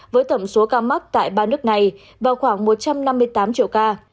với tổng số ca mắc tại ba nước này vào khoảng một trăm năm mươi tám triệu ca